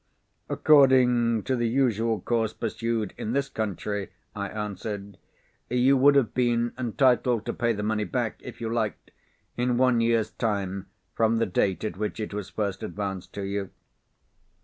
"According to the usual course pursued in this country," I answered, "you would have been entitled to pay the money back (if you liked) in one year's time from the date at which it was first advanced to you."